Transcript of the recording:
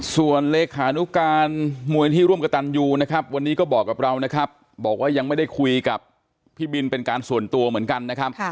ส่วนเลขานุการมวยที่ร่วมกระตันยูนะครับวันนี้ก็บอกกับเรานะครับบอกว่ายังไม่ได้คุยกับพี่บินเป็นการส่วนตัวเหมือนกันนะครับ